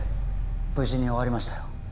無事に終わりましたよ